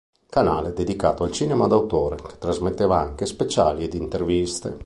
Canale dedicato al cinema d'autore che trasmetteva anche speciali ed interviste.